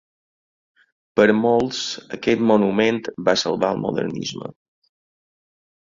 Per a molts, aquest monument va salvar el modernisme.